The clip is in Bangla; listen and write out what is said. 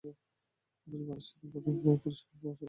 অথচ বাতাস শীতল, পরিষ্কার ও আরামপ্রদ।